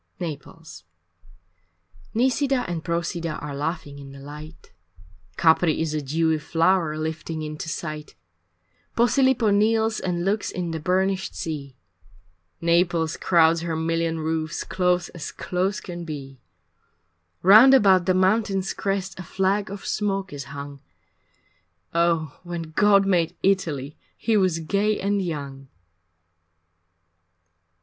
III Naples Nisida and Prosida are laughing in the light, Capri is a dewy flower lifting into sight, Posilipo kneels and looks in the burnished sea, Naples crowds her million roofs close as close can be; Round about the mountain's crest a flag of smoke is hung Oh when God made Italy he was gay and young!